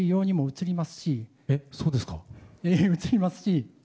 映りますし。